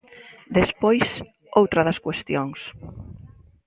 Despois, outra das cuestións.